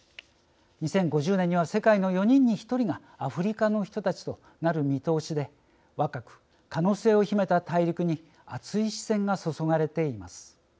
２０５０年には世界の４人に１人がアフリカの人たちとなる見通しで若く可能性を秘めた大陸に熱い視線が注がれています。